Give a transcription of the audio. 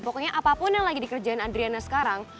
pokoknya apapun yang lagi dikerjain adriana sekarang